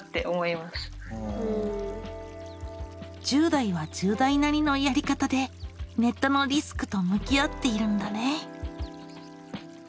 １０代は１０代なりのやり方でネットのリスクと向き合っているんだね。